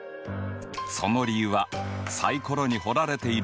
その理由はサイコロに掘られている目の容量。